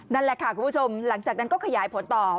นั่นแหละค่ะคุณผู้ชมหลังจากนั้นก็ขยายผลต่อ